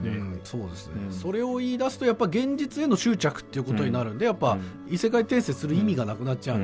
そうですねそれを言いだすとやっぱ現実への執着ということになるんでやっぱ異世界転生する意味がなくなっちゃうんですよね。